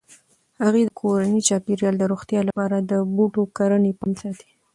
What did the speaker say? هغې د کورني چاپیریال د روغتیا لپاره د بوټو کرنې پام ساتي.